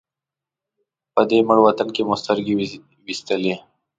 په دې مړ وطن کې مو سترګې وې وېستلې.